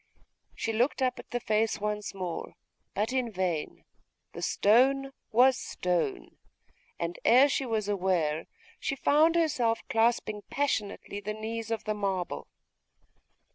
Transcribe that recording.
She looked up at the face once more: but in vain the stone was stone; and ere she was aware, she found herself clasping passionately the knees of the marble.